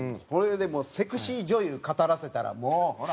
これででもセクシー女優語らせたらもう。